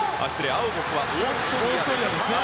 アウボックはオーストリアです。